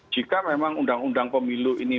jika memang undang undang pemilu ini